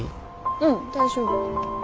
うん大丈夫。